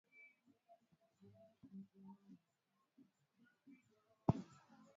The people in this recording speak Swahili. Umeketi juu sana, kwenye kiti cha enzi